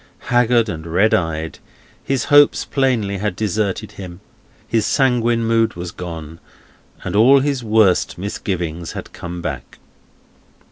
Haggard and red eyed, his hopes plainly had deserted him, his sanguine mood was gone, and all his worst misgivings had come back.